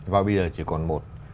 và bây giờ chỉ còn một